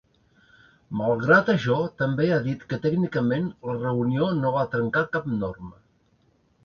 Malgrat això, també ha dit que “tècnicament” la reunió no va trencar cap norma.